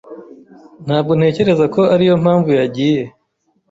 Ntabwo ntekereza ko ariyo mpamvu yagiye.